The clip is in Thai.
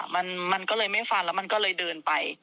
มันก็เลยไม่ฟันแล้วมันก็เลยเดินไป